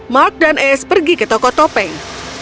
mark dan ace pergi ke toko topeng